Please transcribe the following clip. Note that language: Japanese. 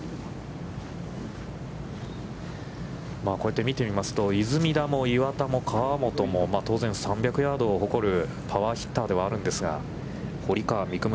こうやって見てみますと、出水田も岩田も河本も、当然、３００ヤードを誇るパワーヒッターではあるんですが、堀川未来